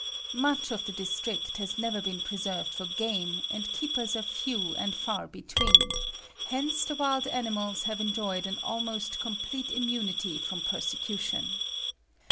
Much of the district has never been preserved for game, and keepers are few and far between; hence the wild animals have enjoyed an almost complete immunity from persecution.